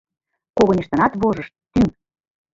— Когыньыштынат вожышт — тӱҥ.